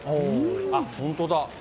あっ、本当だ。